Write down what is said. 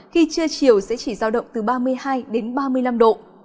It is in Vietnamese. khi chưa chiều sẽ chỉ do động từ ba mươi hai đến ba mươi năm độ